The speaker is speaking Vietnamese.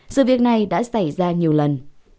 sự việc này đã xảy ra nhiều lần